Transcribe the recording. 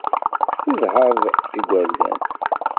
Tessedhaḍ igerdan.